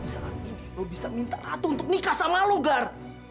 di saat ini lu bisa minta ratu untuk nikah sama lu gak